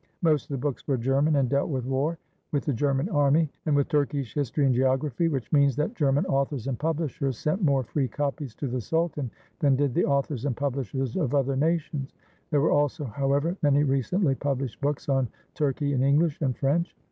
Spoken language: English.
Most of the books were German and dealt with war, with the German army, and with Turkish history and geography — which means that German authors and publishers sent more free copies to the sultan than did the authors and publishers of other nations. There were also, however, many recently published books on Turkey in English and French.